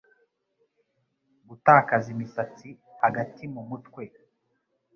Gutakaza imisatsi hagati mumutwe